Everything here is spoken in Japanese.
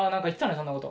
そんなこと。